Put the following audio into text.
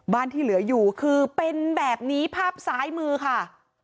ที่เหลืออยู่คือเป็นแบบนี้ภาพซ้ายมือค่ะ